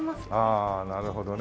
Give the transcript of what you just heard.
ああなるほどね。